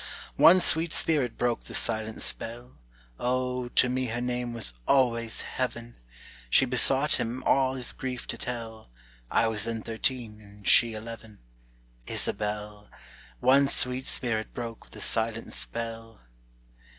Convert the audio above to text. One sweet spirit broke the silent spell, O, to me her name was always Heaven! She besought him all his grief to tell, (I was then thirteen, and she eleven,) Isabel! One sweet spirit broke the silent spell.